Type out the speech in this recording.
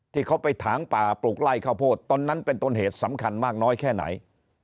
ที่เขาไปถางป่าปลูกไล่ข้าวโพดตอนนั้นเป็นต้นเหตุสำคัญมากน้อยแค่ไหน